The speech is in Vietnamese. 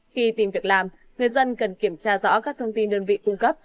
khi tìm việc làm người dân cần kiểm tra rõ các thông tin đơn vị cung cấp